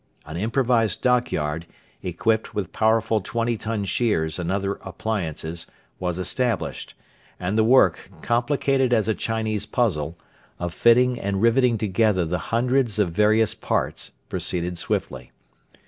An improvised dockyard, equipped with powerful twenty ton shears and other appliances, was established, and the work complicated as a Chinese puzzle of fitting and riveting together the hundreds of various parts proceeded swiftly.